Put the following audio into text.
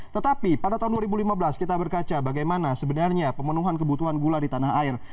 tetapi pada tahun dua ribu lima belas kita berkaca bagaimana sebenarnya pemenuhan kebutuhan gula di tanah air